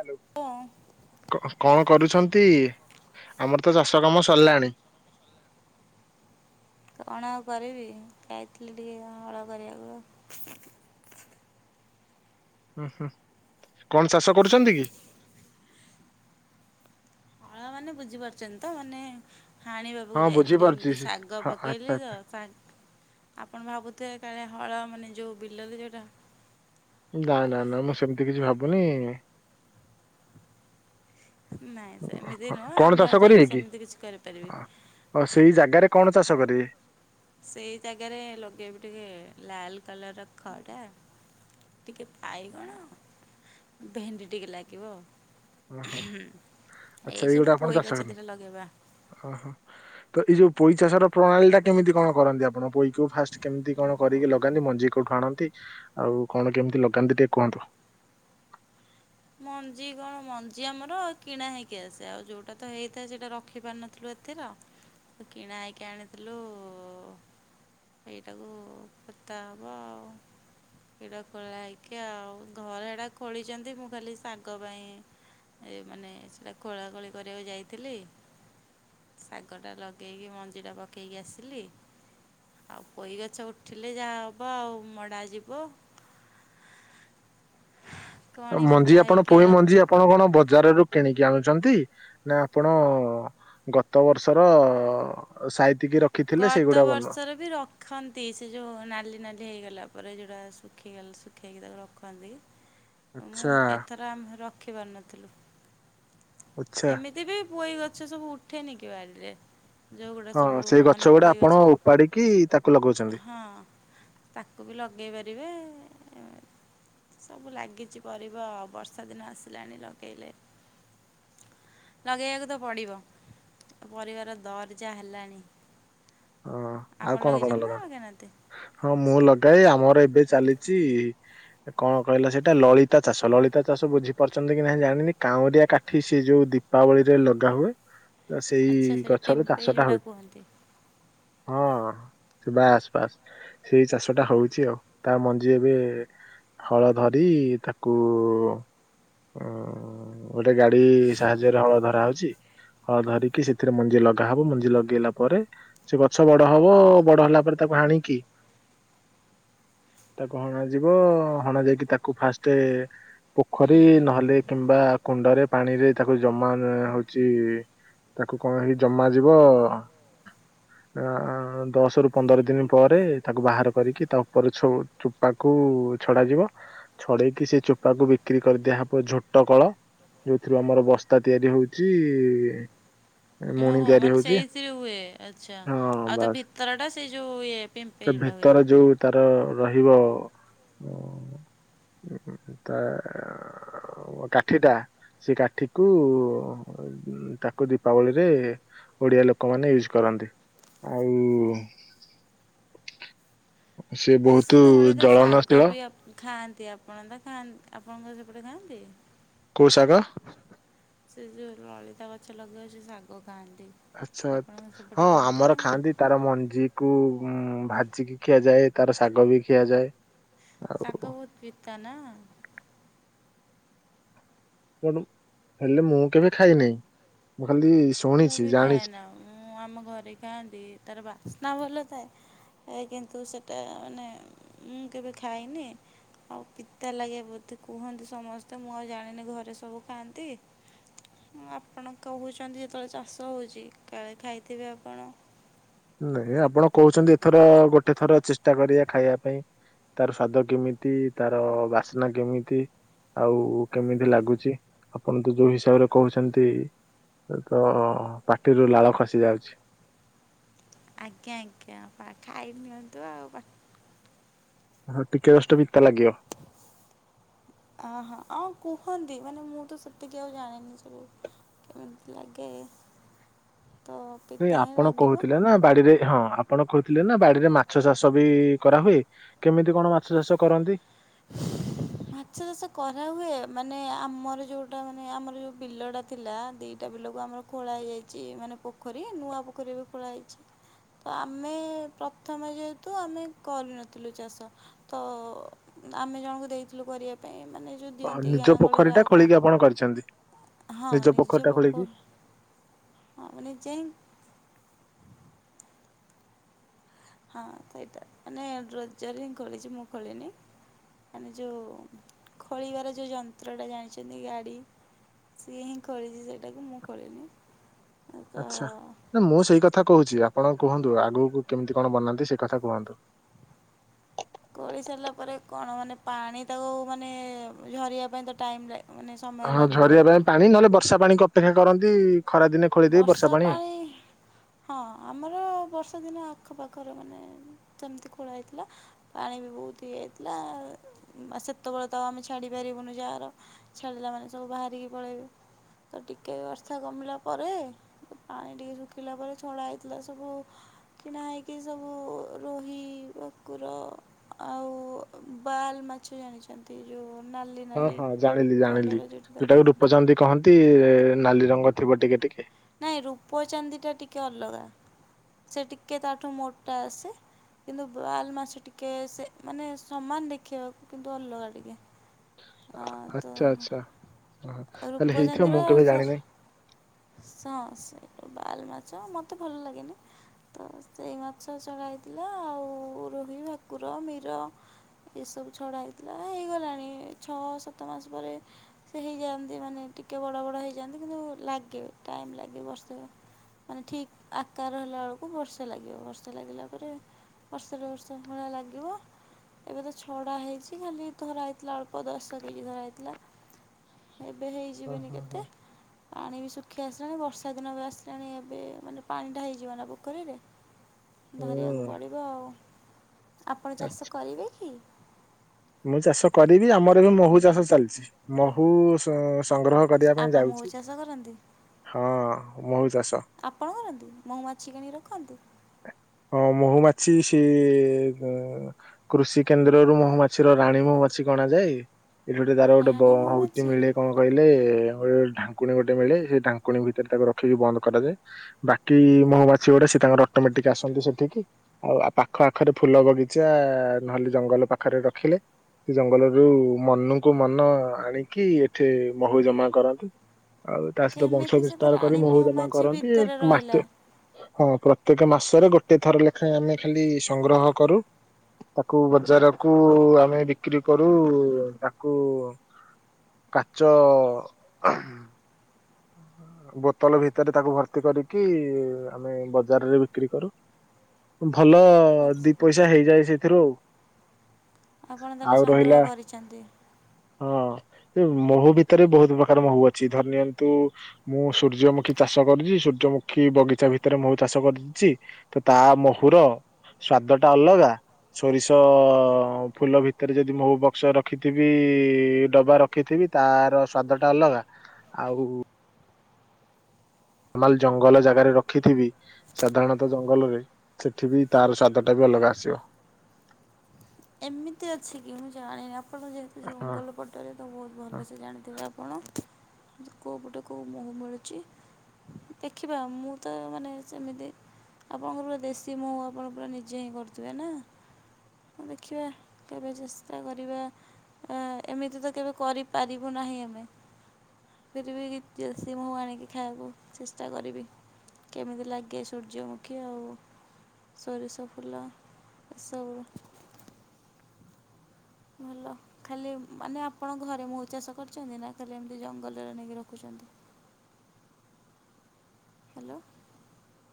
Hello କଣ କଣ କରୁଛନ୍ତି? ଆମର ତ ଚାଷ କାମ ସରିଲାଣି। କଣ ଆଉ କରିବି ଯାଇଥିଲି ଟିକେ ହଳ କରିବାକୁ ଆଉ। ଓ ହୋ କଣ ଚାଷ କରୁଛନ୍ତି କି? ହଳା ମାନେ ବୁଝି ପାରୁଛନ୍ତି ତ ମାନେ ହାଣିବାକୁ ହଁ ଯାଇଥିଲି ବୁଝିପାରୁଛି ଏମିତି ସେ ଶାଗ ହଁ ଆଚ୍ଛା ପକେଇଲି ଆଚ୍ଛା। ତ ଆପଣ ଭାବୁ ତ କାଳେ ହଳ ମାନେ ଯୋଉ ବିଲ ଯୋଉଟା ନା ନା ନା ମୁଁ ସେମିତି କିଛି ଭାବୁ ନି ନାଇଁ ସେମିତି ନୁହଁ କଣ ଆମେ ଆଉ ଚାଷ ଯାଇକି କରିବେ କି ସେମିତି କିଛି କରିପାରିବି। ସେଇ ଜାଗାରେ କଣ ଚାଷ କରିବେ। ସେଇ ଜାଗାରେ ଲଗେଇବି ଟିକେ ଲାଲ କଲର ର ଖଡ଼ା ଟିକେ ବାଇଗଣ ଭେଣ୍ଡି ଟିକେ ଲାଗିବ। ଓହୋ ଆଚ୍ଛା ଏଇ ସବୁ ଗୋଟେ ଆପଣ ପୋଇ ଚାଷ ଗଛ ଦିଟା ଲଗେଇବା। କର ଓହୋ ତ ଏଇ ଯୋଉ ପୋଇ ଚାଷ ରର ପ୍ରଣାଳୀ ଟା କେମିତି କଣ କରନ୍ତି ଆପଣ ପୋଇକୁ ଫାଷ୍ଟ କେମିତି କଣ କରିକି ଲଗାନ୍ତି ମଞ୍ଜି କୋଉଠୁ ଆଣନ୍ତି ଆଉ କଣ କେମିତି ଲଗାନ୍ତି ଟିକେ କୁହନ୍ତୁ? ମଞ୍ଜି କଣ ମଞ୍ଜି ଆମର କିଣା ହେଇକି ଆସେ ଆଉ ଯୋଉଟା ତ ହେଇଥାଏ ସେଇଟା ରଖିପାରିନଥିଲୁ ଏଥିର କିଣା ହେଇକି ଆଣିଥିଲୁ ଏଇଟାକୁ ଖତା ହବ ଆଉ ଏଇଟା ଖୋଳା ହେଇକି ଆଉ ଘର ଏଟା ଖୋଳିଛନ୍ତି ମୁଁ ଖାଲି ଶାଗ ପାଇଁ ଏ ମାନେ ସେଟା ଖୋଳାଖୋଳି କରିବାକୁ ଯାଇଥିଲି ଶାଗଟା ଲଗେଇକି ମଞ୍ଜିଟା ପକେଇକି ଆସିଲି ଆଉ ପୋଇ ଗଛ ଉଠିଲେ ଯାହା ହବ ଆଉ ମଡ଼ା ଯିବ। କଣୀ ପୁତ ଆଜି ଆପଣ ପୁଇ ମଞ୍ଜି ଆପଣ କଣ ବଜାରରୁ କିଣିକି ଆଣୁଛନ୍ତି ନା ଆପଣ ଗତ ବର୍ଷର ସା ଗତ ବର୍ଷରେ ବି ରଖନ୍ତି ସେ ଯୋଉ ନାଲି ନାଲି ହେଇଗଲା ପରେ ଯୋଉଟା ସୁଖୀ ଗଲା ସୁଖୀ କିି ତାକୁ ରଖନ୍ତି। ମୁଁ ଆଚ୍ଛା ଏଥର ଆମେ ରଖ ରଖି ପାରିନଥିଲୁ। ଆଚ୍ଛା ଏମିତି ବି ପୋଇ ଗଛ ସବୁ ଉଠ ଉଠେନିକି ବାଡ଼ିରେ ଯୋଉ ଗୁଡା ହଁ ସବୁ ସେଇ ଗଛ ଗୁଡା ପୋଇ ଆପଣ ଗଛ ଉପାଡିକି ତାକୁ ଲଗଉଛନ୍ତି। ହଁ ତାକୁ ବି ଲଗେଇ ପାରିବେ। ସବୁ ଲାଗିଛି ପରିବ ଆ ବର୍ଷା ଦିନ ଆସିଲାଣି ଲଗେଇଲେ। ଲଗେଇବାକୁ ତ ପଡ଼ିବ ପରିବାର ଦର ଜା ହେଲାଣି। ଆଉ ଆପଣ କଣ କଣ ଲଗେଇଛନ୍ତି ନା ଲଗାଅ ଲଗେଇନାହାନ୍ତି ହଁ ମୁଁ ଲଗେଇ ଗାଈ ଆମର ଏବେ ଚାଲିଛି ଲାଳିତ ଚାଷ ଲାଳିତ ଚାଷ ବୁଝପାରୁ ଛନ୍ତି କି ନାଇ ଜାଣି ନିକୌରିଆ କାଠି ଶେ ଯାଉ ଦୀପାବଳି ରେ ଲଗା ହୁଏ। ତ ସେଇ ଆଚ୍ଛା ସେଇଟା ଗଛରୁ ପିମ୍ପେଇ ଚାଷ ଟା ଯୋଉଟା ହୁଏ। କୁହନ୍ତି ସେ ବାସଵାସ ସେଇ ଚାଷ ଟା ହଉଛି ଆଉ ତା ମଞ୍ଜି ଏବେ ହଳ ଧରି ତାକୁ ଅଁ ଗୋଟେ ଗାଡି ସାହାଯ୍ୟରେ ହଳ ଧରା ହଉଛି ହଳ ଧରିକି ସେଥିରେ ମଞ୍ଜି ଲଗାହବ ମଞ୍ଜି ଲଗେଇଲା ପରେ ସେ ଗଛ ବଡ ହବ ବଡ ହେଲା ପରେ ତାକୁ ହାଣିକି ତାକୁ ହଣାଯିବ ହଣା ଯାଇକି ତାକୁ ଫାଷୃ ପୋଖରୀ ହୁଁ ନହେଲେ କିମ୍ବା କୁଣ୍ଡରେ ପାଣିରେ ତାକୁ ଜମା ହଉଛି ତାକୁ କଣ ହେଇ ଜମା ଯିବ ଆ ଦଶ ରୁ ପନ୍ଦର ଦିନ ପରେ ତାକୁ ବାହାର କରିକି ତା ଉପରେ ଚୋପାକୁ ଛଡାଯିବ ଛଡେଇକି ସେ ଚୋପାକୁ ବିକ୍ରି କରିଦିଆହବ ଝୋଟ କଳ ଯୋଉଥିରୁ ଆମର ବସ୍ତା ତିଆରି ହଉଛି ମୁଣି ଓହୋ ତିଆରି ମାନେ ହଉଛି ସେଇଥିରେ ହୁଏ ଆଚ୍ଛା। ହଁ ଆଉ ତା ବାସ୍ ଭିତର ଟା ସେଇ ଯୋଉ ଇଏ ତା ପିମ୍ପେଇ ଯୋଉଟା ହୁଏ ଭିତର ବୋଧେ। ଯୋଉ ତାର ରହିବ ଉ ତା କାଠିଟା ସେ କାଠିକୁ ତାକୁ ଦୀପାବଳିରେ ଓଡିଆ ଲୋକମାନେ ୟୁଜ କରନ୍ତି। ଆଉ। ସେ ବହୁତ ନଳି ତା ଶାଗ ଜଳନଶୀଳ ବି ଖାଆନ୍ତି ଆପଣ ତ ଖାଆ ଆପଣଙ୍କ ସେପଟେ ଖାଆନ୍ତି? କୋଉ ସାଗ? ସେ ଯେଉଁ ଲଳିତା ଗଛ ଲଗେଇବା ସେ ଶାଗ ଖାଆନ୍ତି। ଆଚ୍ଛା ଆପଣଙ୍କ ସେପଟେ ହଁ ନା ଆମର ଖାଆନ୍ତି ତାର ମଞ୍ଜି କୁ ଉଁ ଭାଜିିକି ଖିଆଯାଏ ତାର ଶାଗ ବି ଖିଆଯାଏ। ସାଗ ଆଉ ଵୋହୁତ୍ ପିତା ନା। କଣ ହେଲେ ମୁଁ କେବେ ଖାଇନାହିଁ ଖାଲି ମୁଁ ଶୁଣିଛି ବି ଖାଏ ଜାଣିଛି ନା ମୁଁ ଆମ ଘରେ ଖାଆନ୍ତି ତାର ବାସ ନା ଭଲ ଥାଏ କିନ୍ତୁ ସେଟା ମାନେ ମୁଁ କେବେ ଖାଇନି ଆଉ ପିତା ଲାଗେ ବୋଧେ କୁହନ୍ତି ସମସ୍ତେ ମୁଁ ଆଉ ଜାଣିନି ଘରେ ସବୁ ଖାଆନ୍ତି ଆପଣ କହୁଛନ୍ତି ଯେ କେତବେଳେ ଚାଷ ହଉଛି କାଳେ ଖାଇଥିବେ ଆପଣ। ନାଇଁ ଆପଣ କହୁଛନ୍ତି ଏଥର ଗୋଟେ ଥର ଚେଷ୍ଟା କରିବା ଖାଇବା ପାଇଁ ତାର ସ୍ଵାଦ କେମିତି ତାର ବାସ୍ନା କେମିତି ଆଉ କେମିତି ଲାଗୁଛି। ଆପଣ ତ ଯୋଉ ହିସାବରେ କହୁଛନ୍ତି ତ ପାଟିରୁ ଲାଳ ଖସି ଯାଉଛି। ଆଜ୍ଞା ଆଜ୍ଞା ଖାଇ ନିଅନ୍ତୁ ଆଉ। ହ ଟିକେ ଜଷ୍ଟ ପିତା ଲାଗିବ। ଆ ହ ଆଉ କୁହନ୍ତି, ମାନେ ମୁହ ତ ସେତିକି ଆଉ ଜାଣିନି ଜେ କେମତି ଲାଗେ। ତ ନ ପିତା ହିଁ ଆପଣ ଲାଗିବ କହୁଥିଲେ ନା ବାଡିରେ ହଁ। ଆପଣ କହୁଥିଲେ ନା ବାଡିରେ ମାଛ ଚାଷ ବି କରାହୁୁଏ। କେମିତି କଣ ମାଛ ଚାଷ କରନ୍ତି? ମାଛ ଚାଷ କରା ହୁଏ। ମାନେ ଆମର ଯୋଉଟା ମାନେ ଆମର ଯୋଉ ବିଲ ଟା ଥିଲା ଦିଟା ବିଲକୁ ଆମର ଖୋଳା ହେଇଯାଇଛି। ମାନେ ପୋଖରୀ ନୂଆ ପୋଖରୀ ବି ଖୋଳା ହେଇଛି ତ ଆମେ ପ୍ରଥମେ ଯେହେତୁ ଆମେ କରିନଥିଲୁ ଚାଷ ତ ଆମେ ଜଣଙ୍କୁ ଦେଇଥିଲୁ କରିବା ପାଇଁ ମାନେ ଯେଉଁ ଆ ଦିଅନ୍ତି ଗାଁ ନିଜ ଗହଳିରେ ପୋଖରୀ ଟା ଆଉ ଖୋଳିକି କାହାକୁ ଆପଣ କରିଛନ୍ତି ନିଜ ପୋଖରୀ ଟା ଖୋଳିକି ଆ ନିିଜେ ହିଁ ହଁ ସେଇଟା ମାନେ ଡ୍ରୋଜର ହିଁ ଖୋଳିଛି। ମୁଁ ଖୋଳିନି ମାନେ ଯୋଉ ଖୋଳିବାର ଯେଉଁ ଯନ୍ତ୍ରଟା ଜାଣିଛନ୍ତି ଗାଡ଼ି ସିଏ ହିଁ ଖୋଳିଛି ସେଇଟାକୁ ମୁଁ ଖୋଳିନି ତ ଆଚ୍ଛା ନା ମୁଁ ସେଇ କଥା କହୁଛି ଆ ଆପଣ କୁହନ୍ତୁ ଆଗକୁ କେମିତି କଣ ବନାନ୍ତି ସେ କଥା କୁହନ୍ତୁ। ଖୋଳି ସାରିଲା ପରେ କଣ ମାନେ ପାଣି ତାକୁ ମାନେ ଝରିବା ପାଇଁ ତ ଟାଇମ ଲାଗେ ହଁ ଝରିବା ପାଇଁ ପାଣି ନହେଲେ ବର୍ଷା ପାଣିକ ତାକେ କରନ୍ତି ଖରା ଦିନେ ଖୋଳି ଦେଇ ବର୍ଷା ପାଣି ହଁ ଆମର ବର୍ଷା ଦିନ ଆଖପାଖରେ ମାନେ, ସେମିତି ଖୋଳା ହେଇଥିଲା। ପାଣି ବି ବହୁତ ଇଏ ହେଇଥିଲା। ସେତେବେଳେ ତ ଆମେ ଛାଡ଼ିପାରିବୁନି ଯାହାର ଛାଡ଼ିଲା ମାନେ ସବୁ ବାହାରିକି ପଳେଇବୁ, ତ ଟିକେ ବି ବର୍ଷା କମିଲା ପରେ ପାଣି ଟିକେ ଶୁଖିଲା ପରେ ଛଡ଼ା ହେଇଥିଲା ସବୁ କିଣା ହେଇକି ସବୁ ରୋହି, ଭାକୁର ଆଉ ବାଲ ମାଛ ଜାଣିଛନ୍ତି ଯେଉ ହଁ ହଁ ଜାଣିଲି ଜାଣିଲି ଯୋଟାକୁ ଦେଖାଯାଏ। ରୂପଚନ୍ଦୀ କହନ୍ତି ଏ ନାଲି ରଙ୍ଗ ଥିବ ଟିକେ ଟିକେ। ନାଇଁ ରୂପ ଚାନ୍ଦି ଟା ଟିକେ ଅଲଗା। ସେ ଟିକେ ତାଠୁ ମୋଟା ଆସେ କିନ୍ତୁ ବାଲ ମାସ ଟିକେ ସେ ମାନେ ସମାନ ଦେଖେଇିବାକୁ କିନ୍ତୁ ଅଲଗା ଟିକେ। ହଁ ଆଚ୍ଛା ଆଚ୍ଛା। ତ ହଁ ତାହେଲେ ହେଇଥିବ ରୂପଚାନ୍ଦିର ମୁଁ କେବେ ସାର୍ ଜାଣିନହିଁ। ହଁ ସେ ବାଲ ମାଛ ମତେ ଭଲ ଲାଗେନି, ତ ସେଇ ମାଛ ଛଡା ହେଇଥିଲା ଆଉ ରୋହି, ଭାକୁର, ମିର ଏସବୁ ଛଡ଼ା ହେଇଥିଲା ହେଇଗଲାଣି ଛଅ ସାତ ମାସ ପରେ ସେ ହେଇଯାଆନ୍ତି ମାନେ ଟିକେ ବଡ ବଡ ହେଇଯାଆନ୍ତି କିନ୍ତୁ ଲାଗ ଟାଇମ ଲାଗିବ ବର୍ଷେ, ମାନେ ଠିକ ଆକାର ହେଲା ବେଳକୁ ବର୍ଷେ ଲାଗିବ ବର୍ଷେ ଲାଗିଲା ପରେ ବର୍ଷେ ଡେଢ ବର୍ଷ ଭଳିଆ ଲାଗିବ। ଏବେ ତ ଛଡ଼ା ହେଇଛି ଖାଲି ଧରା ହେଇଥିଲା ଅଳ୍ପ ଦଶକେଜି ଧରା ହେଇଥିଲା ଏବେ ହଁ ହେଯିବେନି ହଁ କେତେ ହଁ ପାଣିବି ଶୁକ୍ ପଖୀ ଆସିଲାଣି ବର୍ଷା ଦିନ ବି ଆସିଲାଣି ଏବେ ମାନେ ପାଣିଟା ହେଇଯିବ ନା ପୋଖରୀରେ ଧରିବାକୁ ହୁଁ ପଡ଼ିବ ଆଉ। ଆପଣ ଚାଷ କରିବେ କି? ମୁଁ ଚାଷ କରିବି, ଆମର ବି ମହୁ ଚାଷ ଚାଲିଛି ମହୁ ସ୍ ସଂଗ୍ରହ କରିବା ପାଇଁ ଆପଣ ମହୁ ଯାଉଛି। ଚାଷ କରନ୍ତି ହଁ। ମଁ ବି ଚାଷ ଆପଣ କରନ୍ତୁ। ମହୁ ମାଛି କିଣିକି ରଖନ୍ତୁ। ହଁ ମହୁମାଛି ସିଏ କୃଷି କେନ୍ଦ୍ରରୁ ମହୁମାଛିର ରାଣୀ ମହୁମାଛି କୁ ଅଣାଯାଏ। ଏଇଠି ଗୋଟେ ତାର ଗୋଟେ ବ ରାଣୀ ହଉଛି ମହୁମାଛି ମିଳେ କଣ କହିଲେ ଢାଙ୍କୁଣୀ ଗୋଟେ ମିଳେ, ସେ ଢାଙ୍କୁଣୀ ଭିତରେ ତାକୁ ରଖିକି ବନ୍ଦ କରାଯାଏ। ବାକି ମହୁମାଛି ଗୋଟେ ସେ ତାଙ୍କର ଅଟୋମେଟିକ ଆସନ୍ତି ସେଠିକି, ଆଉ ପାଖ ଆଖରେ ଫୁଲ ବଗିଚା ନହେଲେ ଜଙ୍ଗଲ ପାଖରେ ରଖିଲେ ସେ ଜଙ୍ଗଲରୁ ମନୁକୁ ମନ ଆଣିକି ଏଠି ମହୁ ଜମା କରନ୍ତି। ଆଉ ତା ସହିତ ବଂଶ କେମିତି ସେ ତ ବିସ୍ତାର କରି ରାଣୀ ମହୁ ଜମା ମହୁମାଛି କରନ୍ତି। ଭିତରେ ରହିଲା ଏମାସ୍ତେ ହଁ ପୁର୍ଆ ପ୍ରତି ମାସରେ ଗୋଟେ ଥର ଲେଖାଏଁ ଆମେ ଖାଲି ସଂଗ୍ରହ କରୁ, ତାକୁ ବଜାରକୁ ଆମେ ବିକ୍ରି କରୁ ତାକୁ କାଚ ବୋତଲ ଭିତରେ ତାକୁ ଭର୍ତ୍ତି କରିକି ଆମେ ବଜାରରେ ବିକ୍ରି କରୁ। ଭଲ ଦି ପଇସା ହେଇଯାଏ ସେ ଧୋରୋ ଆପଣ ତାହେଲେ ସଂଗ୍ରହ କରିଛନ୍ତି? ହଁ ସେ ମହୁ ଭିତରେ ବି ବହୁତ ପ୍ରକାର ମହୁ ଅଛି ଧରି ନିଅନ୍ କି ତୁ ମୁଁ ସୂର୍ଯ୍ୟମୁଖୀ ଚାଷ କରିଛି ସୂର୍ଯ୍ୟମୁଖୀ ବଗିଚା ଭିତରେ ମହୁ ଚାଷ କରିଛି, ତ ତା ମହୁର ସ୍ଵାଦଟା ଅଲଗା, ସୋରିଷ ଫୁଲ ଭିତରେ ଯଦି ମହୁ ବକ୍ସ ରଖିଥିବି ଡବା ରଖିଥିବି ତାର ସ୍ଵାଦ ଟା ଅଲଗା। ଆଉ ମାଲ ଜଙ୍ଗଲ ଜାଗାରେ ରଖିଥିବି, ସାଧାରଣତଃ ଜଙ୍ଗଲରେ ସେଠି ବି ତାର ସ୍ବାଦଟା ବି ଅଲଗା ଆସିବ। ଏମିତି ଅଛି କି ମୁଁ ଜାଣିନି? ଆପଣ ଯେହେତୁ ହଁ ହଁ। ଜଙ୍ଗଲ ପଟରେ ତ ବହୁତ ଭଲସେ ଜାଣିଥିବେ ଆପଣ। କେଉ ପଟେ କେଉ ମହୁ ମିଳୁଛି? ଦେଖିବା ମୁଁ ତ ମାନେ ସେମିତି ଆପଣଙ୍କର ପୁରା ଦେଶୀ ମହୁ ଆପଣଙ୍କ ପୁରା ନିଜେ ହିଁ କରଥିବେ ନା? ଦେଖିବା କେବେ ଚେଷ୍ଟା କରିବା, ଏମିତି ତ କେବେ କରିପାରିବୁ ନାହିଁ ଆମେ, ଫିର ବି ଦେଶୀ ମହୁ ଆଣିକି ଖାଇବାକୁ ଚେଷ୍ଟା କରିବି। କେମିତି ଲାଗେ ସୂର୍ଯ୍ୟମୁଖୀ ଆଉ ସୋରିଷ ଫୁଲ ଏସବୁ? ଭଲ ଖାଲି ମାନେ ଆପଣ ଘରେ ମହୁ ଚାଷ କରିଛନ୍ତି, ନା ଖାଲି ଏମିତି ଜଙ୍ଗଲରେ ନେଇକି ରଖୁଛନ୍ତି? ହ୍ୟାଲୋ।